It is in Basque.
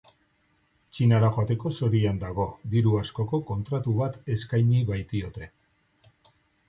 Txinara joateko zorian dago, diru askoko kontratu bat eskaini baitiote.